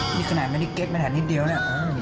มีสนานไม่ได้เก็บแน่นิดเดียวน่ะ